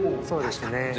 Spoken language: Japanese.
そうですね。